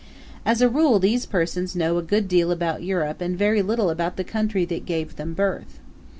As a rule these persons know a good deal about Europe and very little about the country that gave them birth.